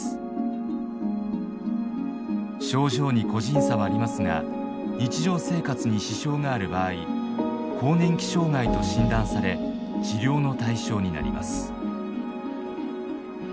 症状に個人差はありますが日常生活に支障がある場合更年期障害と診断され治療の対象になります。